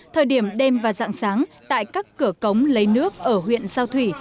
thời điểm đêm và dạng sáng tại các cửa cống lấy nước ở huyện sao thủy